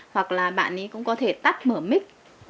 hoặc là bạn ấy cũng có thể tắt mở mít